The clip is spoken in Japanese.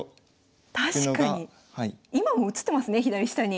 今も映ってますね左下に。